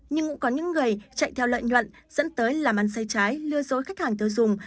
nhưng cũng có những người chạy theo lợi nhuận dẫn tới làm ăn say trái lưa dối khách hàng tới dùng